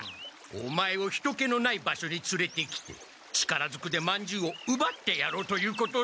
オマエを人けのない場所につれてきて力ずくでまんじゅうをうばってやろうということだ。